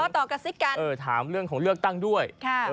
หยอกล้อต่อกัสซิกกันถ่าหมุทรเรื่องของเลือกตั้งด้วย